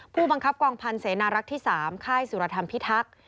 ผู้บังคับกองพันธ์เสนารักษ์ที่๓ค่ายสุรธรรมพิทักษ์